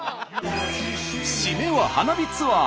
シメは花火ツアー。